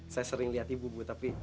saya sering lihat ibu ibu tapi